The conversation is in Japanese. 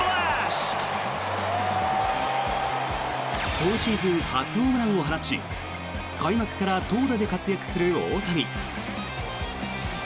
今シーズン初ホームランを放ち開幕から投打で活躍する大谷。